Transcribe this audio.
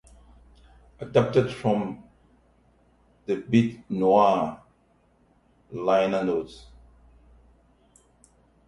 Adapted from the "Beat Noir" liner notes.